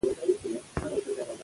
پښتو ژبه زموږ د ټولو ده.